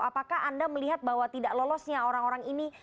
apakah anda melihat bahwa tidak lolosnya orang orang ini